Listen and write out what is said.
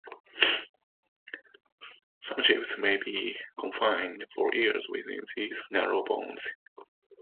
Some chiefs may be confined for years within these narrow bounds.